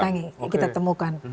natangi yang kita temukan